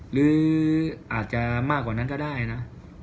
หรืออาจจะมากกว่านั้นก็ได้นะ